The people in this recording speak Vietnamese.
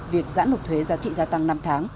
việc giãn nộp thuế giá trị gia tăng năm tháng